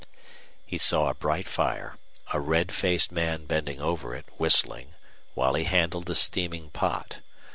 He saw a bright fire, a red faced man bending over it, whistling, while he handled a steaming pot.